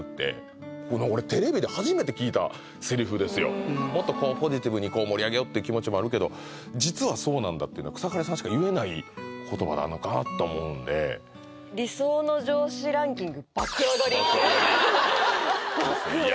俺もっとこうポジティブに盛り上げようって気持ちもあるけど実はそうなんだっていうのは草刈さんしか言えない言葉なのかなと思うんでいや